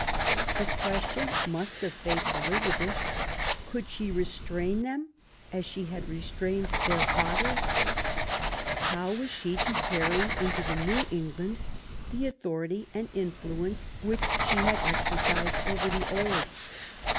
The question must have faced Elizabeth, Could she restrain them, as she had restrained their fathers ? How was she to carry into the new England the authority and influence which she had exercised over the old?